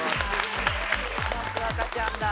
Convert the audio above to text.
益若ちゃんだ。